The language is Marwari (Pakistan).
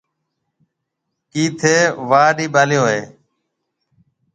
ڪِي ٿَي واهڏيَ ٻاݪيو هيَ؟